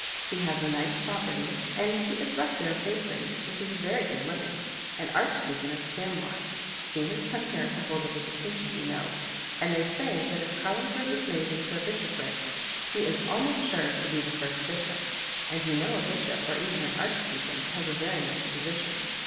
He has a nice property, and he Ls Hector of Basing, which is a very good living, and Arch deacon of Stanmore. He has come here to hold a visitation, you know; and they say that if Cariingford was made into a bishopric, he is al most sure to be the first bishop; and you know a bishop^ or even an archdeacon, has a very nice position.